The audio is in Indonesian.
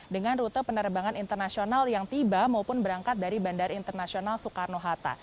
dengan rute penerbangan internasional yang tiba maupun berangkat dari bandara internasional soekarno hatta